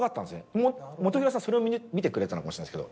本広さんそれを見てくれてたのかもしれないんですけど。